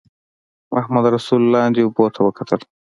محمدرسول لاندې اوبو ته وکتل.